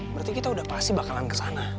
berarti kita udah pasti bakalan kesana